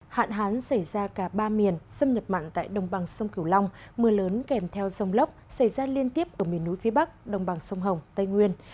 hạn hán xảy ra cả ba miền xâm nhập mặn tại đồng bằng sông cửu long mưa lớn kèm theo rông lốc xảy ra liên tiếp ở miền núi phía bắc đồng bằng sông hồng tây nguyên